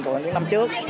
của những năm trước